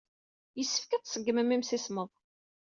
Yessefk ad tṣeggmem imsismeḍ.